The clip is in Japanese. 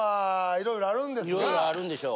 いろいろあるんでしょう。